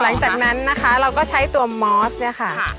หลังจากนั้นนะคะเราก็ใช้ตัวมอสเนี่ยค่ะ